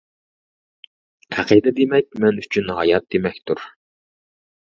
ئەقىدە دېمەك مەن ئۈچۈن ھايات دېمەكتۇر.